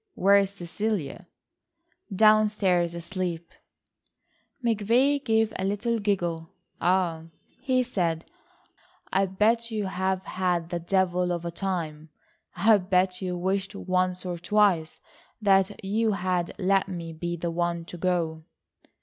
"Where is Cecilia?" "Down stairs asleep." McVay gave a little giggle. "Ah," he said, "I bet you have had the devil of a time. I bet you wished once or twice that you had let me be the one to go."